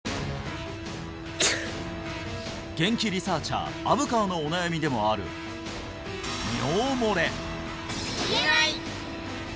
ゲンキリサーチャー虻川のお悩みでもある尿もれ言えない！